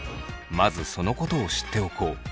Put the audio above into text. まずそのことを知っておこう。